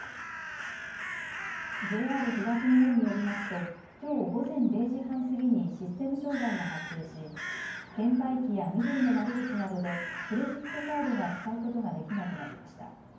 ＪＲ東日本によりますときょう午前０時半過ぎにシステム障害が発生し、券売機やみどりの窓口などでクレジットカードが使うことができなくなりました。